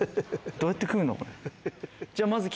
どうやって食うの？